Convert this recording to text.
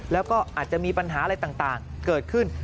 แล้วก็อาจจะมีปัญหาอะไรต่างเกิดขึ้น